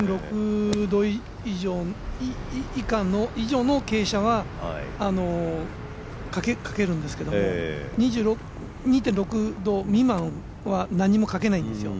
２．６度以上の傾斜は、書けるんですけど２．６度未満は何も書けないんですよ